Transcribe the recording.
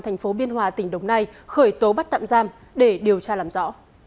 thành phố biên hòa tỉnh đồng nai khởi tố bắt tạm giam để điều tra làm rõ